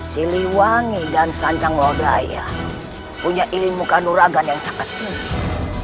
siliwangi dan sancang lodaya punya ilmu kanuragan yang sangat tinggi